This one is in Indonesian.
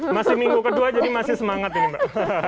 masih minggu kedua jadi masih semangat ini mbak